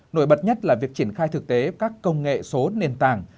nổi bật nhất là việc triển khai thực tế các công nghệ số nền tảng